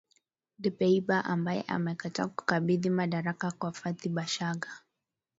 Dbeibah ambaye amekataa kukabidhi madaraka kwa Fathi Bashagha.